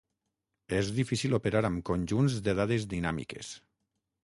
És difícil operar amb conjunts de dades dinàmiques.